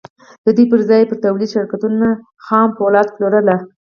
د دې پر ځای يې پر توليدي شرکتونو خام پولاد پلورل.